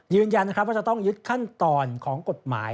ยืนยันนะครับว่าจะต้องยึดขั้นตอนของกฎหมาย